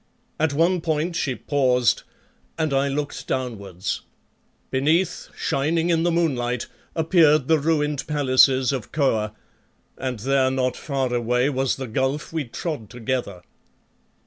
At one point she paused and I looked downwards. Beneath, shining in the moonlight, appeared the ruined palaces of Kôr, and there not far away was the gulf we trod together.